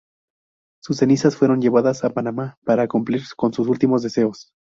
Sus cenizas fueron llevadas a Panamá para cumplir con sus últimos deseos.